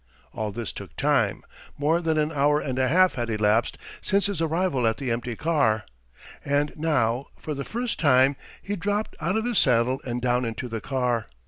All this took time. More than an hour and a half had elapsed since his arrival at the empty car. And now, for the first time, he dropped out of his saddle and down into the car.